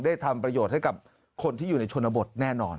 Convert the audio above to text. ทำประโยชน์ให้กับคนที่อยู่ในชนบทแน่นอน